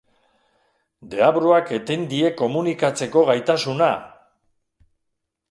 Deabruak eten die komunikatzeko gaitasuna!